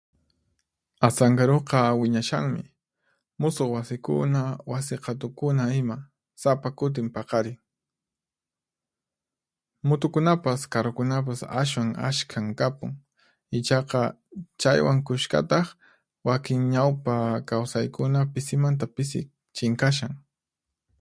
Asankaruqa wiñashanmi. Musuq wasikuna, wasi qhatukuna ima sapa kutin paqarin. Mutukunapas, karrukunapas ashwan ashkhan kapun. Ichaqa, chaywan kushkataq, wakin ñawpa kawsaykuna pisimanta pisi chinkashan.